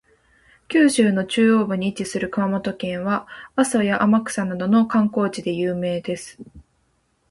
九州の中央部に位置する熊本県は、阿蘇や天草などの観光地で有名です。